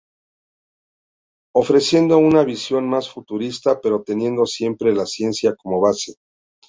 Ofreciendo una visión más futurista pero teniendo siempre la ciencia como base.